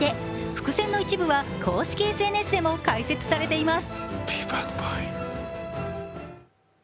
伏線の一部は公式ＳＮＳでも解説されています。